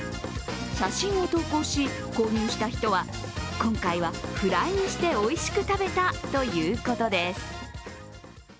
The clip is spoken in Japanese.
写真を投稿し、購入した人は今回はフライにして、おいしく食べたということです。